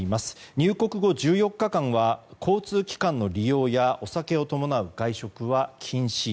入国後１４日間は交通機関の利用やお酒を伴う外食は禁止。